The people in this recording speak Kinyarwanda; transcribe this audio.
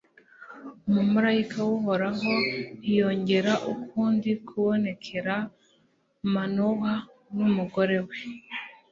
umumalayika w'uhoraho ntiyongera ukundi kubonekera manowa n'umugore we